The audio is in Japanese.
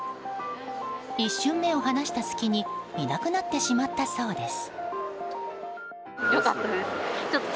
一瞬目を離した隙にいなくなってしまったそうです。